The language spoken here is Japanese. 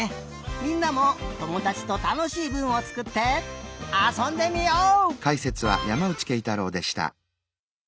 みんなもともだちとたのしいぶんをつくってあそんでみよう！